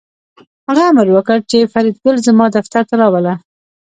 هغه امر وکړ چې فریدګل زما دفتر ته راوله